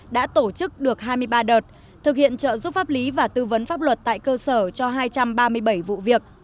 đã tổ chức được hai mươi ba đợt thực hiện trợ giúp pháp lý và tư vấn pháp luật tại cơ sở cho hai trăm ba mươi bảy vụ việc